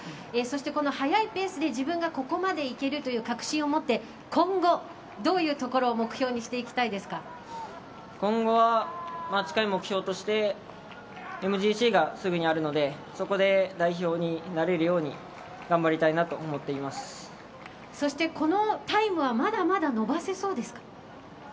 この速いペースで自分がここまでいけるという確信をもって今後どういうところを今後は近い目標としてＭＧＣがすぐにあるのでそこで代表になれるようにそしてこのタイムはまだまだ伸ばせそうですか。